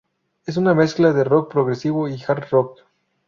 Es una mezcla de rock progresivo y hard rock.